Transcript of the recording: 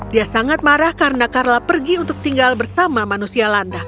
dia sangat marah karena karla pergi untuk tinggal bersama manusia landa